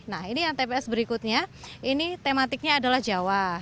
nah ini yang tps berikutnya ini tematiknya adalah jawa